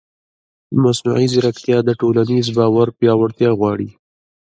مصنوعي ځیرکتیا د ټولنیز باور پیاوړتیا غواړي.